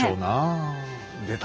出た！